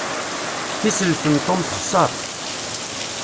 Tisellet n Tom texser.